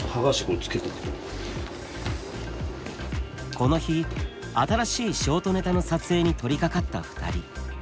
この日新しいショートネタの撮影に取りかかった２人。